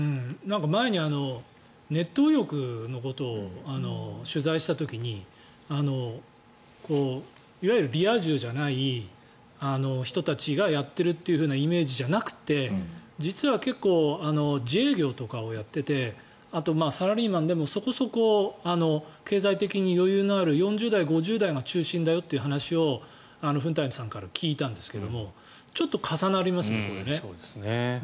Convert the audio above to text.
前にネット右翼のことを取材した時にいわゆるリア充じゃない人たちがやっているというイメージじゃなくて、実は結構自営業とかをやっていてあと、サラリーマンでもそこそこ経済的に余裕のある４０代、５０代が中心だよという話を聞いたんですがちょっと重なりますね。